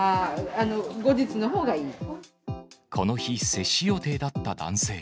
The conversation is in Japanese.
この日、接種予定だった男性。